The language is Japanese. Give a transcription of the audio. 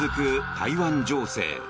台湾情勢。